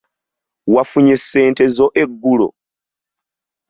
Wafunye ssente zo eggulo?